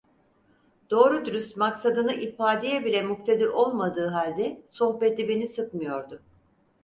Doğru dürüst maksadını ifadeye bile muktedir olmadığı halde sohbeti beni sıkmıyordu.